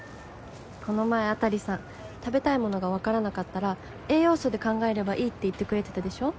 この前辺さん食べたいものが分からなかったら栄養素で考えればいいって言ってくれてたでしょ？